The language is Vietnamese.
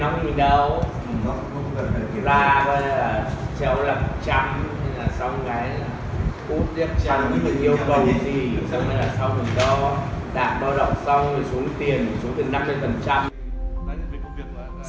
chẳng biết được yêu cầu gì chắc là sau khi đo đạt đo đọc xong rồi xuống tiền xuống từ năm mươi